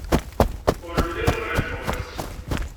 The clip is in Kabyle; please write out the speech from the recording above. Ur lliɣ ɛejbeɣ-as.